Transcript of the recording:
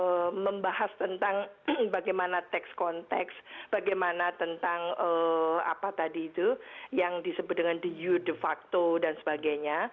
dan saya ingin membahas tentang bagaimana text kontext bagaimana tentang apa tadi itu yang disebut dengan the you de facto dan sebagainya